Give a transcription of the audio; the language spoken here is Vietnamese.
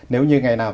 nếu như ngày nào